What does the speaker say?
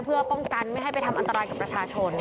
เพื่อป้องกันไม่ให้ไปทำอันตรายกับประชาชน